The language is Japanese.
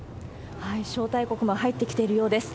招待国も入ってきているようです。